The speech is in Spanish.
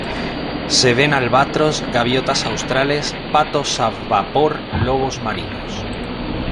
Se ven albatros, gaviotas australes, patos a vapor lobos marinos.